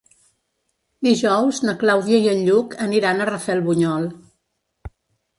Dijous na Clàudia i en Lluc aniran a Rafelbunyol.